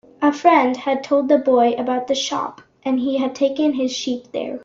A friend had told the boy about the shop, and he had taken his sheep there.